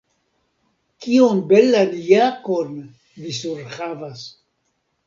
Kiom belan jakon vi surhavas.